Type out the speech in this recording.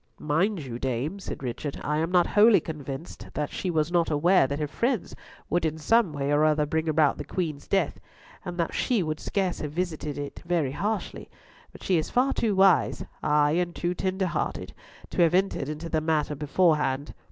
"Mind you, dame," said Richard, "I am not wholly convinced that she was not aware that her friends would in some way or other bring about the Queen's death, and that she would scarce have visited it very harshly, but she is far too wise—ay, and too tender hearted, to have entered into the matter beforehand.